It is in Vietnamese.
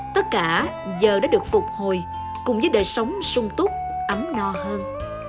tất cả giờ đã được phục hồi cùng với đời sống sung túc ấm no hơn